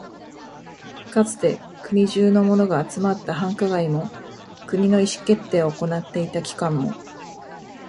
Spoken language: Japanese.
かつて国中のものが集まった繁華街も、国の意思決定を行っていた機関も、